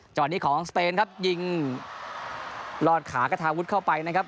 จังหวะนี้ของสเปนครับยิงลอดขากระทาวุฒิเข้าไปนะครับ